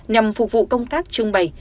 nhằm phục vụ công tác trưng bày